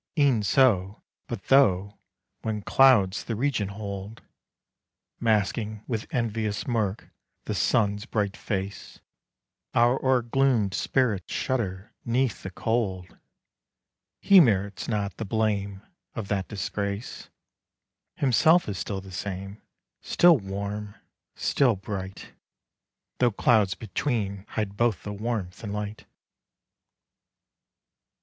E'en so; but though, when clouds the region hold, Masking with envious murk the sun's bright face, Our o'ergloom'd spirits shudder 'neath the cold, He merits not the blame of that disgrace: Himself is still the same, still warm, still bright, Though clouds between hide both the warmth and light.